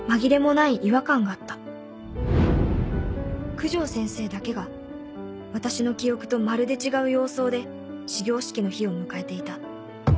九条先生だけが私の記憶とまるで違う様相で始業式の日を迎えていた